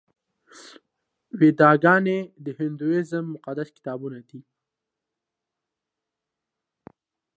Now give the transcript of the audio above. ویداګانې د هندویزم مقدس کتابونه دي.